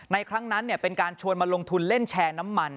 ครั้งนั้นเป็นการชวนมาลงทุนเล่นแชร์น้ำมัน